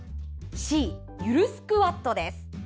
Ｃ、ゆるスクワットです。